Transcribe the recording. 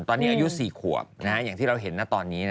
ตอนนี้อายุ๔ขวบอย่างที่เราเห็นนะตอนนี้